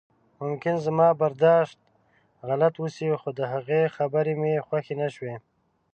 ممکن زما برداشت غلط اوسي خو د هغې خبرې مې خوښې نشوې.